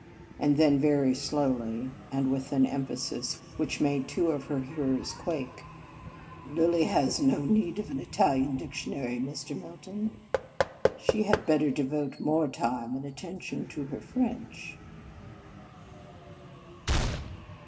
And then, very slowly, and with an emphasis which made two of her hearers quake :" Lilly has no need of an Italian dictionary, Mr. Milton. She had better devote more time and attention to her French."